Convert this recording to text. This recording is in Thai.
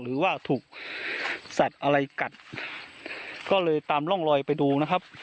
หรือว่าถูกสัตว์อะไรกัดก็เลยตามร่องลอยไปดูนะครับ